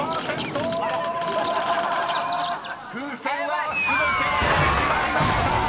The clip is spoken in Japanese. ［風船は全て割れてしまいました！］